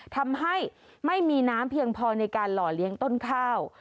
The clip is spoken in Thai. ทำให้ไม่มีน้ำเพียงพอในการหล่อเลี้ยงต้นข้าว